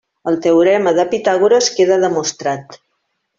El teorema de Pitàgores queda demostrat.